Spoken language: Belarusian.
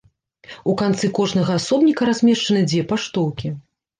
У канцы кожнага асобніка размешчаны дзве паштоўкі.